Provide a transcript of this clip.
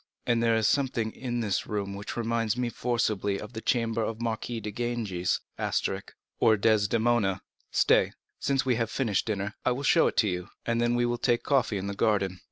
And there is something in this room which reminds me forcibly of the chamber of the Marquise de Ganges10 or Desdemona. Stay, since we have finished dinner, I will show it to you, and then we will take coffee in the garden.